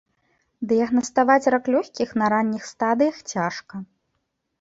Дыягнаставаць рак лёгкіх на ранніх стадыях цяжка.